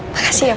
makasih ya mah